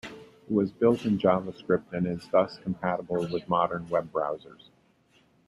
It was built in JavaScript and is thus compatible with modern web-browsers.